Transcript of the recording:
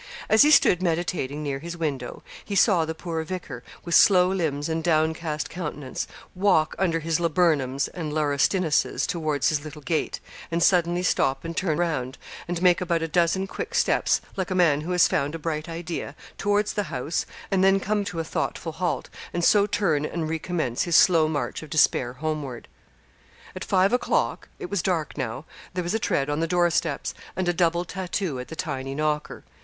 As he stood meditating near his window, he saw the poor vicar, with slow limbs and downcast countenance, walk under his laburnums and laurustinuses towards his little gate, and suddenly stop and turn round, and make about a dozen quick steps, like a man who has found a bright idea, towards the house, and then come to a thoughtful halt, and so turn and recommence his slow march of despair homeward. At five o'clock it was dark now there was a tread on the door steps, and a double tattoo at the tiny knocker.